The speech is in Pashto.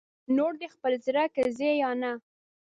نور دې خپل زړه که ځې یا نه